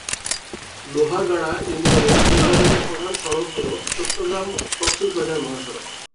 লোহাগাড়া ইউনিয়নে যোগাযোগের প্রধান সড়ক হল চট্টগ্রাম-কক্সবাজার মহাসড়ক।